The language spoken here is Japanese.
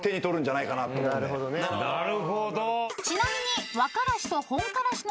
［ちなみに］